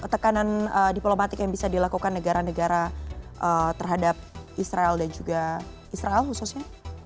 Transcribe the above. tekanan diplomatik yang bisa dilakukan negara negara terhadap israel dan juga israel khususnya